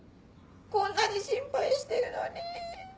こんなに心配してるのに。